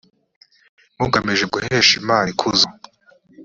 mugamije guhesha imana ikuzo